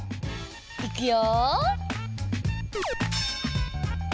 いくよ。